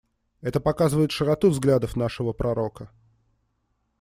Это показывает широту взглядов нашего пророка.